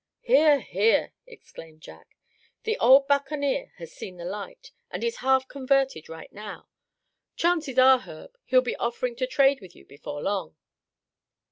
"Hear! hear!" exclaimed Jack, "the old buccaneer has seen a great light, and is half converted right now. Chances are, Herb, he'll be offering to trade with you before long."